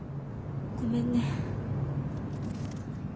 ごめんね。